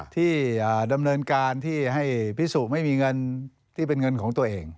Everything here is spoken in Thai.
ที่ดำเนินการที่ให้พิสุไม่มีเงินที่เป็นเงินของตัวเอง